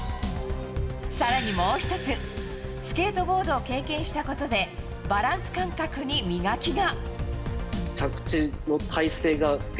更に、もう１つスケートボードを経験したことでバランス感覚に磨きが。